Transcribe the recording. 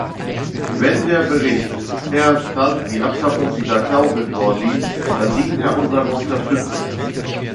Wenn der Bericht Cercas die Abschaffung dieser Klausel vorsieht, verdient er unsere Unterstützung.